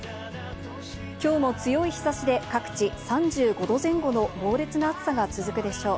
きょうも強い日差しで各地、３５度前後の猛烈な暑さが続くでしょう。